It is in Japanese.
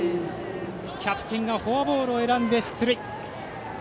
キャプテンがフォアボールを選んで出塁。